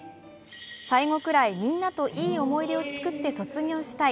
最後くらいみんなといい思い出を作って卒業したい。